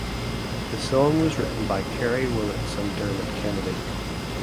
The song was written by Carey Willetts and Dermot Kennedy.